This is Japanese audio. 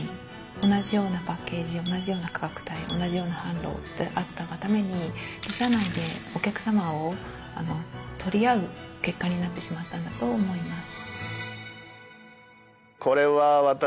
同じようなパッケージ同じような価格帯同じような販路であったがために自社内でお客様を取り合う結果になってしまったんだと思います。